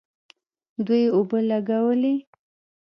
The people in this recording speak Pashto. دوی اوبه لګولې.